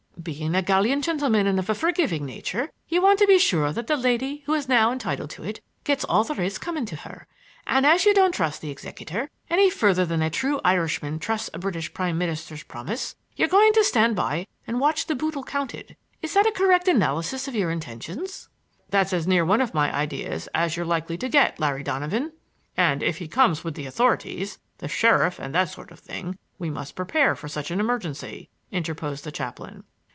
Being a gallant gentleman and of a forgiving nature, you want to be sure that the lady who is now entitled to it gets all there is coming to her, and as you don't trust the executor, any further than a true Irishman trusts a British prime minister's promise, you're going to stand by to watch the boodle counted. Is that a correct analysis of your intentions?" "That's as near one of my ideas as you're likely to get, Larry Donovan!" "And if he comes with the authorities,—the sheriff and that sort of thing,—we must prepare for such an emergency," interposed the chaplain.